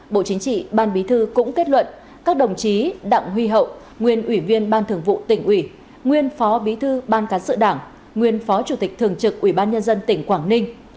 bộ chính trị ban bí thư cũng kết luận các đồng chí đảng huy hậu nguyên ủy viên ban thường vụ tỉnh ubnd nguyên phó bí thư ban cán sự đảng nguyên phó chủ tịch thường trực ubnd tỉnh quảng ninh